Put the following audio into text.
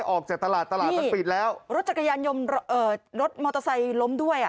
ออกจากตลาดตลาดปิดแล้วนี่รถจักรยานยมรถมอเตอร์ไซล์ล้มด้วยอ่ะ